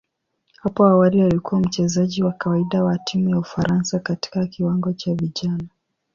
Hapo awali alikuwa mchezaji wa kawaida wa timu ya Ufaransa katika kiwango cha vijana.